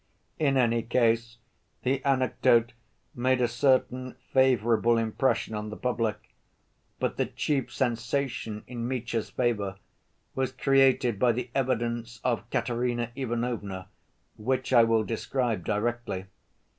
In any case the anecdote made a certain favorable impression on the public. But the chief sensation in Mitya's favor was created by the evidence of Katerina Ivanovna, which I will describe directly.